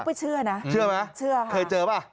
ไม่เชื่อนะเชื่อไหมเชื่อค่ะเคยเจอป่ะ